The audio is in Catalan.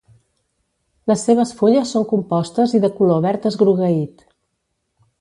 Les seves fulles són compostes i de color verd esgrogueït.